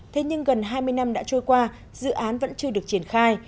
thế nhưng gần hai mươi năm đã trôi qua dự án vẫn chưa được triển khai